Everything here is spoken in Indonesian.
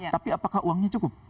tapi apakah uangnya cukup